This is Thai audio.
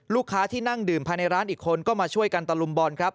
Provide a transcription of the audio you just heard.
ที่นั่งดื่มภายในร้านอีกคนก็มาช่วยกันตะลุมบอลครับ